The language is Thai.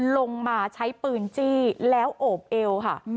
ลงมาใช้ปืนจี้แล้วโอบเอวค่ะ